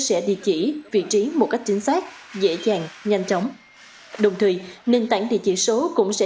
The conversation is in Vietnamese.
sẻ địa chỉ vị trí một cách chính xác dễ dàng nhanh chóng đồng thời nền tảng địa chỉ số cũng sẽ